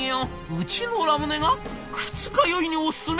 「うちのラムネが二日酔いにおすすめ？」。